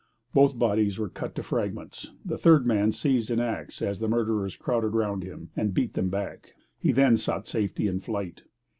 Both bodies were cut to fragments. The third man seized an axe as the murderers crowded round him and beat them back; he then sought safety in flight.